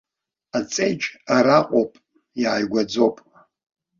Аҵеџь араҟоуп, иааигәаӡоуп.